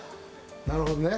なるほどね。